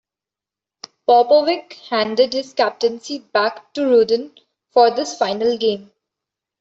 Popovic handed his captaincy back to Rudan for this final game.